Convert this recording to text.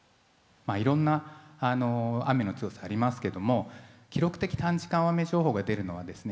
いろんな雨の強さありますけども記録的短時間大雨情報が出るのはですね